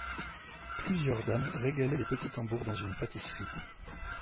Plusieurs dames régalaient les petits tambours dans une pâtisserie.